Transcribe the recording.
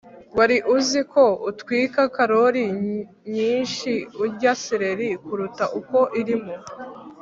wari uzi ko utwika karori nyinshi urya seleri kuruta uko irimo